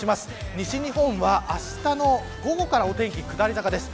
西日本はあしたの午後からお天気、下り坂です。